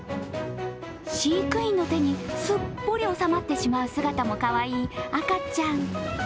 飼育員の手にすっぽり収まってしまう姿もかわいい赤ちゃん。